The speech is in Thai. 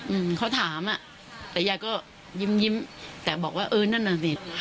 อืมเขาถามอ่ะแต่ยายก็ยิ้มยิ้มแต่บอกว่าเออนั่นน่ะสิ